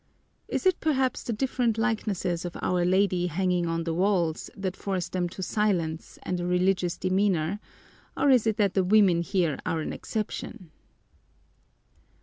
Is it perhaps the different likenesses of Our Lady hanging on the walls that force them to silence and a religious demeanor or is it that the women here are an exception?